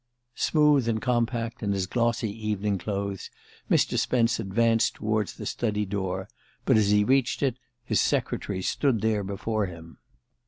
Smooth and compact in his glossy evening clothes, Mr. Spence advanced toward the study door; but as he reached it, his secretary stood there before him.